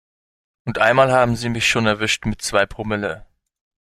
Und einmal haben sie mich schon erwischt mit zwei Promille.